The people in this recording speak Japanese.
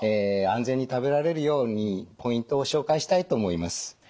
安全に食べられるようにポイントを紹介したいと思います。